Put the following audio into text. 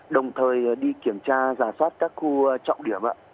đồng thời đi kiểm tra giả soát các khu trọng điểm